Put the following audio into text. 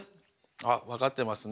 ああわかってますね。